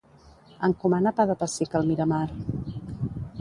Encomana pa de pessic al Miramar.